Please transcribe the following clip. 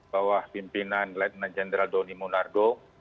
bawah pimpinan lieutenant jenderal doni monardo